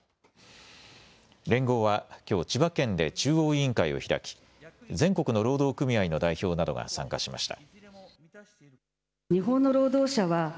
連合はきょう千葉県で中央委員会を開き全国の労働組合の代表などが参加しました。